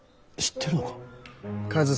知ってるのか。